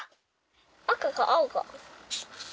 赤か青か。